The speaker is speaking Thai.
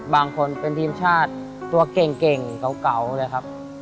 บางคนเป็นทีมชาติตัวเก่งเก่าเลยครับ